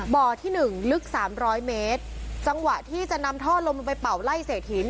ที่หนึ่งลึกสามร้อยเมตรจังหวะที่จะนำท่อลมลงไปเป่าไล่เศษหิน